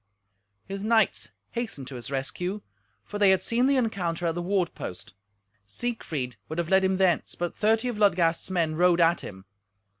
His knights hastened to his rescue, for they had seen the encounter at the ward post. Siegfried would have led him thence, but thirty of Ludgast's men rode at him.